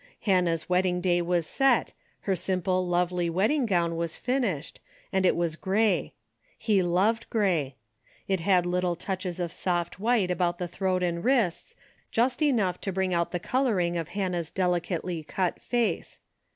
Hannah's wedding day was set, her simple lovely wedding gown was finished, and it was grey. He loved grey. It had litttle touches of soft white about the throat and wrists, just enough to bring out the coloring of Hannah's delicately cut face.